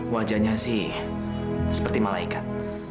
wajahnya sih seperti malaikat